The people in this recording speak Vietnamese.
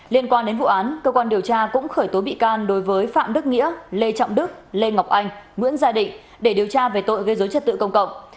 liên quan đến vụ án cơ quan điều tra cũng khởi tố bị can đối với phạm đức nghĩa lê trọng đức lê ngọc anh nguyễn gia định để điều tra về tội gây dối trật tự công cộng